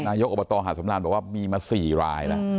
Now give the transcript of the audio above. นายกอบตหาดสำราญบอกว่ามีมา๔รายนะ